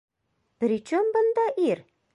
Причем бында ир?